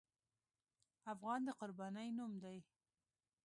افغان د قربانۍ نوم دی.